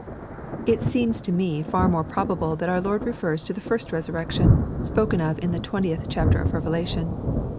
It seems to me far more probable LUKR, CHAP. XIV. 159 chat our Lord refers to the first resurrection, spoken of in the 20th chapter of Revelation.